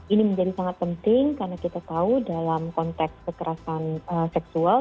ini menjadi sangat penting karena kita tahu dalam konteks kekerasan seksual